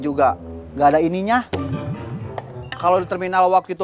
juga enggak ada ininya kalau di terminal waktu itu